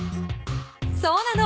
そうなの。